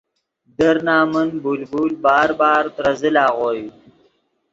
در نمن بلبل بار بار ترے زل اغوئے